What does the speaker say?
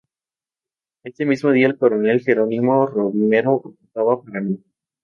Ese mismo día el coronel Jerónimo Romero ocupaba Paraná.